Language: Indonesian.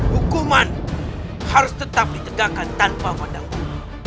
hukuman harus tetap ditegakkan tanpa wadah memor